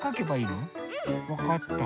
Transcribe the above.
わかった。